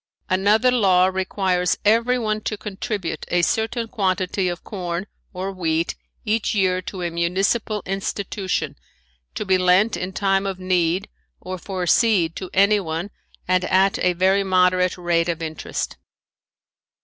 Another law requires everyone to contribute a certain quantity of corn or wheat each year to a municipal institution to be lent in time of need or for seed to anyone and at a very moderate rate of interest.